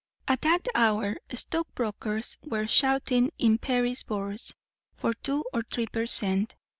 At that hour, stockbrokers were shouting in Paris Bourse for two or three per cent.